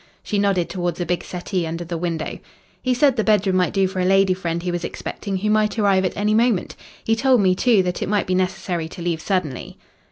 She nodded towards a big settee under the window. "He said the bedroom might do for a lady friend he was expecting who might arrive at any moment. He told me, too, that it might be necessary to leave suddenly."